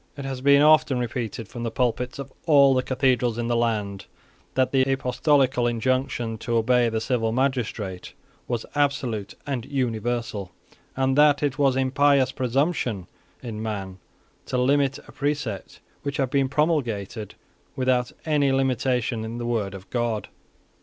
It has been often repeated, from the pulpits of all the Cathedrals in the land, that the apostolical injunction to obey the civil magistrate was absolute and universal, and that it was impious presumption in man to limit a precept which had been promulgated without any limitation in the word of God.